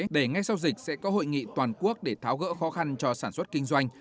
để ngay sau dịch sẽ có hội nghị toàn quốc để tháo gỡ khó khăn cho sản xuất kinh doanh